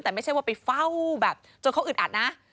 แต่ไม่ใช่ว่าไปเฝ้าแบบจนเขาอึดอัดนะ